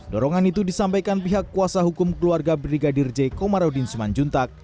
dorongan itu disampaikan pihak kuasa hukum keluarga brigadir j komarudin simanjuntak